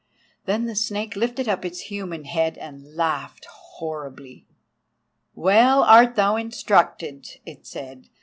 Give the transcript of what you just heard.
Then the Snake lifted up its human head and laughed horribly. "Well art thou instructed," it said.